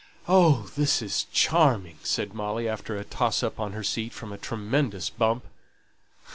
"Oh, this is charming!" said Molly, after a toss up on her seat from a tremendous bump.